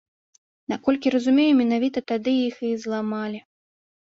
Наколькі разумею, менавіта тады іх і зламалі.